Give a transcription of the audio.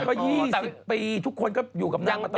ก็๒๐ปีทุกคนก็อยู่กับนางมาตลอด